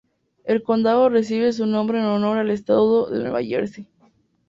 El condado recibe su nombre en honor al estado de Nueva Jersey.